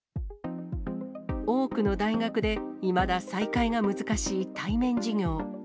多くの大学で、いまだ再開が難しい対面授業。